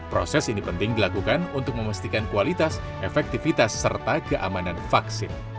proses ini penting dilakukan untuk memastikan kualitas efektivitas serta keamanan vaksin